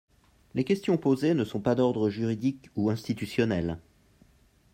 Les questions posées ne sont pas d’ordre juridique ou institutionnel.